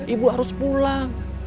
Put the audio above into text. ibu harus pulang